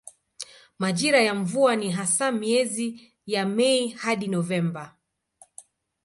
Majira ya mvua ni hasa miezi ya Mei hadi Novemba.